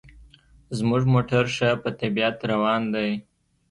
زموږ موټر ښه په طبیعت روان دی.